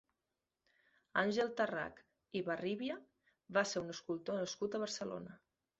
Àngel Tarrach i Barríbia va ser un escultor nascut a Barcelona.